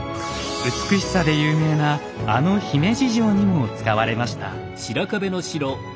美しさで有名なあの姫路城にも使われました。